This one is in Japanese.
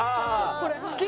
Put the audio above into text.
これ。